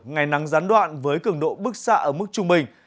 ngày nắng gián đoạn với cường độ bức xạ ở mức trung bình